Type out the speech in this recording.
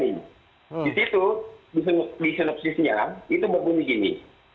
di situ di sinopsisnya itu berbunyi gini